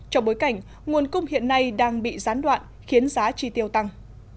trong bối cảnh nguồn cung hiện nay đang bị gián đoạn khiến giá chi tiêu tăng